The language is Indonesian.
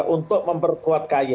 untuk memperkuat kay